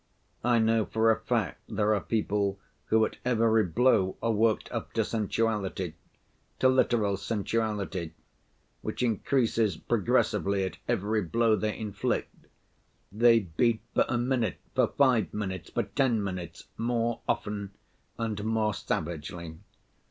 I know for a fact there are people who at every blow are worked up to sensuality, to literal sensuality, which increases progressively at every blow they inflict. They beat for a minute, for five minutes, for ten minutes, more often and more savagely.